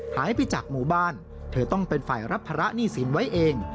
หายไปจากหมู่บ้านเธอต้องเป็นฝ่ายรับภาระหนี้สินไว้เอง